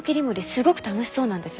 すごく楽しそうなんです。